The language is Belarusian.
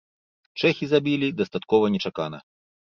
Чэхі забілі дастаткова нечакана.